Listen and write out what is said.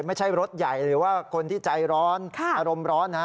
ไม่ใช่รถใหญ่หรือว่าคนที่ใจร้อนอารมณ์ร้อน